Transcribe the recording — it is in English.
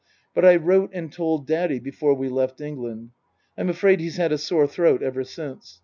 But I wrote and told Daddy before we left England. I'm afraid he's had a sore throat ever since.